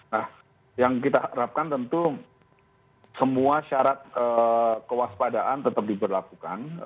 nah yang kita harapkan tentu semua syarat kewaspadaan tetap diberlakukan